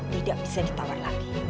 tidak bisa ditawar lagi